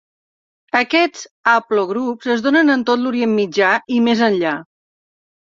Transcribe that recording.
Aquests haplogrups es donen en tot l'Orient Mitjà i més enllà.